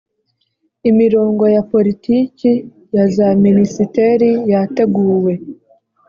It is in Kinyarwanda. imirongo ya politiki ya za minisiteri yateguwe